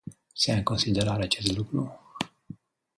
Se ia în considerare acest lucru?